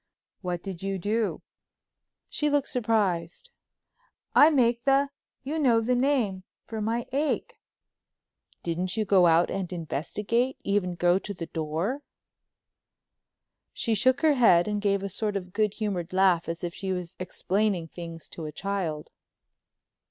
"What did you do?" She looked surprised. "I make the—you know the name—for my ache." "Didn't you go out and investigate—even go to the door?" She shook her head and gave a sort of good humored laugh as if she was explaining things to a child.